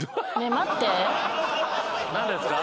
何ですか？